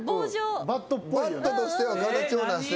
バットとしては形を成してるから。